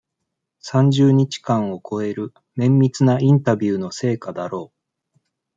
三十日間を超える、綿密なインタビューの成果だろう。